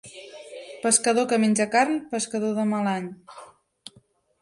Pescador que menja carn, pescador de mal any.